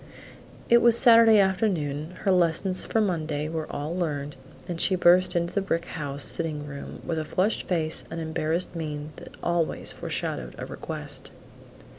It was Saturday afternoon; her lessons for Monday were all learned and she burst into the brick house sitting room with the flushed face and embarrassed mien that always foreshadowed a request.